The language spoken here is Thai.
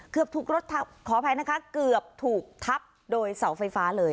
เกือบถูกรถขออภัยนะคะเกือบถูกทับโดยเสาไฟฟ้าเลย